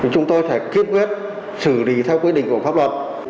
chúng tôi sẽ kết quyết xử lý theo quy định của pháp luật